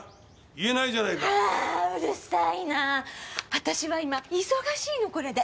私は今忙しいのこれで。